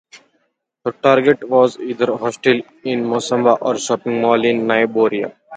The target was either a hotel in Mombasa or a shopping mall in Nairobi.